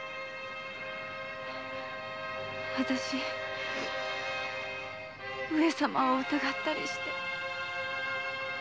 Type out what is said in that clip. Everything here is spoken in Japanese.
あたし上様を疑ったりして。